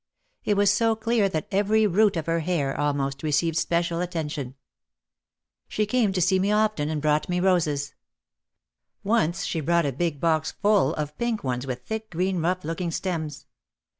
It was so clear that every root of her hair, almost, received special attention. OUT OF THE SHADOW 239 She came to see me often and brought me roses. Once she brought a big box full of pink ones with thick green rough looking stems.